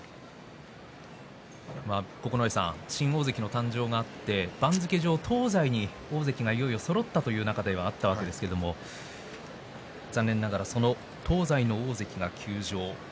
九重さん、新大関の誕生があって番付上、東西に大関がいよいよそろったという中ではあったわけですけれど残念ながら東西両大関が休場。